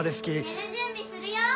・寝る準備するよ！